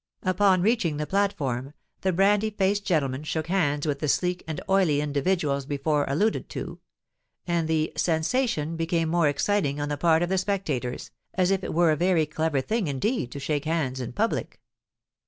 Upon reaching the platform, the brandy faced gentleman shook hands with the sleek and oily individuals before alluded to; and the "sensation" became more exciting on the part of the spectators, as if it were a very clever thing indeed to shake hands in public.